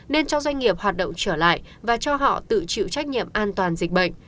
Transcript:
nên cho doanh nghiệp hoạt động trở lại và cho họ tự chịu trách nhiệm an toàn dịch bệnh